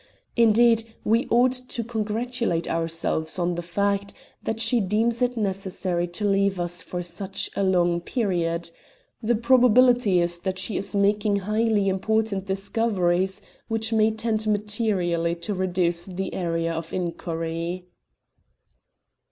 Indeed, we ought to congratulate ourselves on the fact that she deems it necessary to leave us for such a long period. The probability is that she is making highly important discoveries which may tend materially to reduce the area of inquiry."